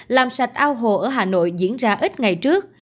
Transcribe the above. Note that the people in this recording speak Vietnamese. làm sạch ao hồ ở hà nội diễn ra ít ngày trước